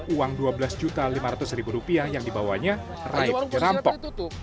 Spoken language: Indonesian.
uang rp dua belas lima ratus yang dibawanya raib dirampok